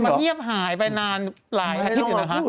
มันเงียบหายไปนานหลายอาทิตย์อยู่นะคะ